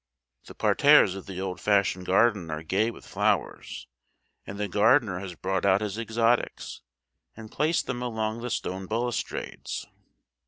The parterres of the old fashioned garden are gay with flowers; and the gardener has brought out his exotics, and placed them along the stone balustrades.